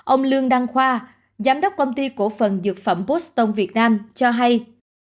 ông lương đăng khoa giám đốc công ty cổ phần dược phẩm poston việt nam cho hay